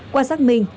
qua xác minh